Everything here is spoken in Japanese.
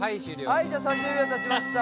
はいじゃあ３０秒たちました。